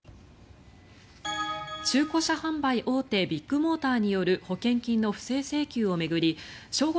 中古車販売大手ビッグモーターによる保険金の不正請求を巡り正午